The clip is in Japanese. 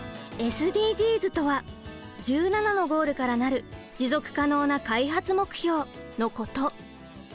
ＳＤＧｓとは１７のゴールから成る持続可能な開発目標のこと。